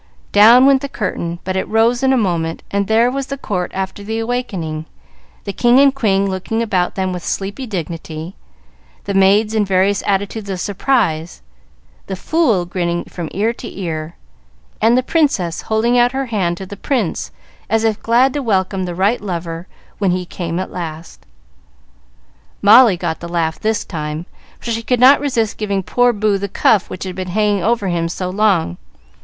Down went the curtain; but it rose in a moment, and there was the court after the awakening: the "King" and "Queen" looking about them with sleepy dignity, the maids in various attitudes of surprise, the fool grinning from ear to ear, and the "Princess" holding out her hand to the "Prince," as if glad to welcome the right lover when he came at last. Molly got the laugh this time, for she could not resist giving poor Boo the cuff which had been hanging over him so long.